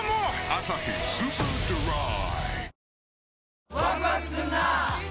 「アサヒスーパードライ」